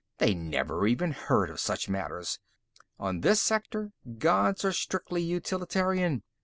They never even heard of such matters. On this sector, gods are strictly utilitarian.